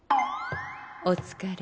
お疲れ。